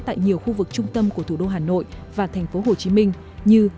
tại nhiều khu vực trung tâm của thủ đô hà nội và tp hcm như